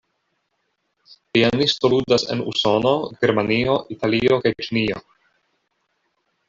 Pianisto ludas en Usono, Germanio, Italio, kaj Ĉinio.